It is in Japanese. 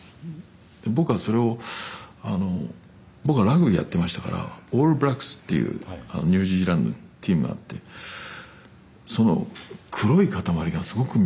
僕はそれをあの僕はラグビーやってましたからオールブラックスっていうあのニュージーランドのチームがあってその黒い塊がすごく魅力的だったんですね。